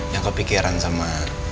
yang kepikiran sama